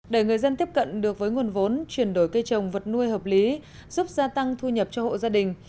để người dân tiếp cận được với nguồn vốn chuyển đổi cây trồng vật nuôi hợp lý giúp gia tăng thu nhập cho hộ gia đình